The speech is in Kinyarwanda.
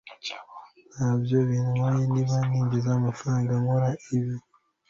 ntabwo bintwaye niba ninjiza amafaranga nkora ibi